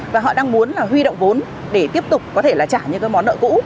và họ đang muốn là huy động vốn để tiếp tục có thể là trả những cái món nợ cũ